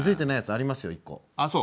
あっそう。